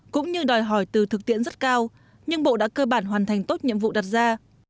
cũng như đòi hỏi từ thực tiễn rất cao nhưng bộ đã cơ bản hoàn thành tốt nhiệm vụ đặt ra